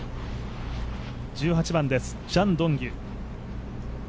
１８番です、ジャン・ドンキュ